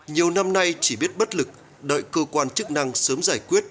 nhiều năm nay chỉ biết bất lực đợi cơ quan chức năng sớm giải quyết